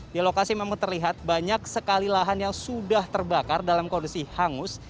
di lokasi memang terlihat banyak sekali lahan yang sudah terbakar dalam kondisi hangus